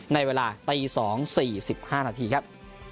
ในเวลาตี๒๔๕นาทีครับ